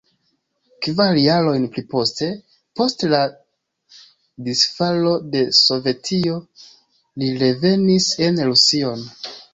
Kvar jarojn pliposte, post la disfalo de Sovetio, li revenis en Rusion.